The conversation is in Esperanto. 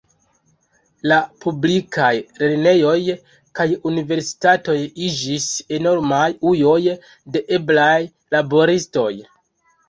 La publikaj lernejoj kaj universitatoj iĝis enormaj ujoj de eblaj laboristoj.